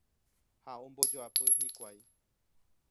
ha ombojoapy hikuái